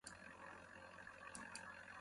ایڈٹ ایڈٹ